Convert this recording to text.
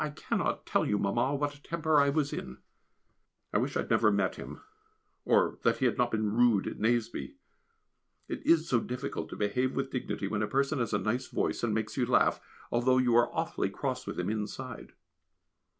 I can't tell you, Mamma, what a temper I was in. [Sidenote: The Hardships of a Marquis] I wish I had never met him or that he had not been rude at Nazeby it is so difficult to behave with dignity when a person has a nice voice and makes you laugh, although you are awfully cross with him inside.